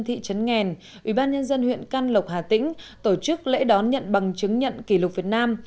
thị trấn nghèn ủy ban nhân dân huyện căn lộc hà tĩnh tổ chức lễ đón nhận bằng chứng nhận kỷ lục việt nam